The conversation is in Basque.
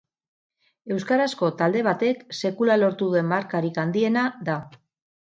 Euskarazko talde batek sekula lortu duen markarik handiena da.